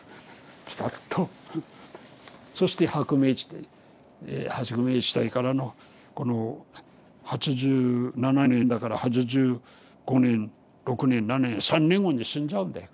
そして「薄明地帯から」のこの８７年だから８５年６年７年３年後に死んじゃうんだよ